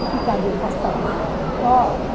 เพราะที่เขาสู้มาตรงแล้ว